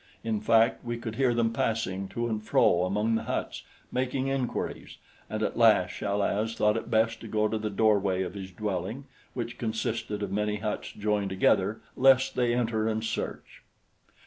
In fact, we could hear them passing to and fro among the huts, making inquiries, and at last Chal az thought it best to go to the doorway of his dwelling, which consisted of many huts joined together, lest they enter and search.